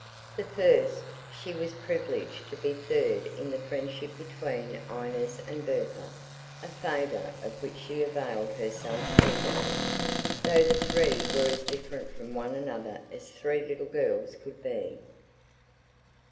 The first: she was privileged to be third in the friendship between Inez and Bertha a favour of which she availed herself eagerly, though the three were as different from one another as three little girls could be.